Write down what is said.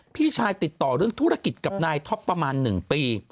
พี่ชายติดต่อเรื่องธุรกิจกับนายท็อปประมาณ๑ปี